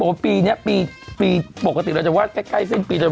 รอล่ะครับปีมันก็เร็วกันน้องเพลง